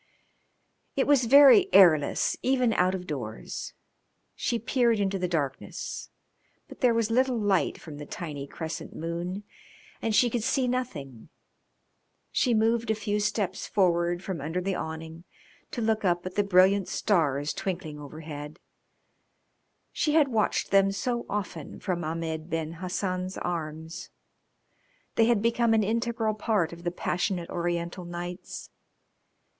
It was very airless even out of doors. She peered into the darkness, but there was little light from the tiny crescent moon, and she could see nothing. She moved a few steps forward from under the awning to look up at the brilliant stars twinkling overhead. She had watched them so often from Ahmed Ben Hassan's arms; they had become an integral part of the passionate Oriental nights.